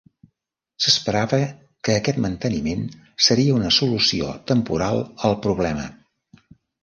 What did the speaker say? S'esperava que aquest manteniment seria una solució temporal al problema.